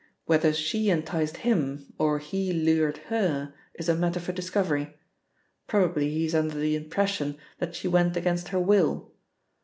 Whether she enticed him or he lured her is a matter for discovery. Probably he is under the impression that she went against her will.